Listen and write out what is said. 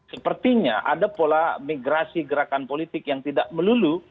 sepertinya ada pola migrasi gerakan politik yang tidak melulu